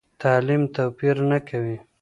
تعلیم توپیر نه کوي.